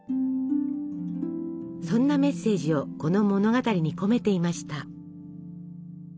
そんなメッセージをこの物語に込めていました。